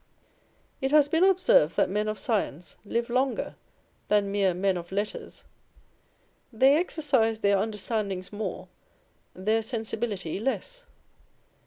It has been observed that men of science live longer than mere men of letters. They exercise their understandings more, their sensibility less.